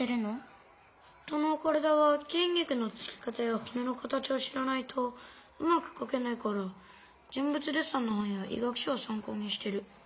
人の体はきん肉のつき方やほねの形を知らないとうまくかけないから人物デッサンの本や医学書を参考にしてる。